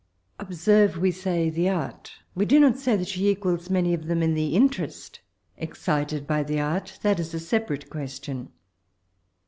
Observe we say "the art;" we do not say that she equals many of them in the m terest excited by the art; that is a separate question.